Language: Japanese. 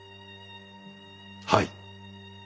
はい。